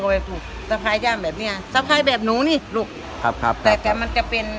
ประมาณ๔๐กว่าบาทครับเพื่อนต้น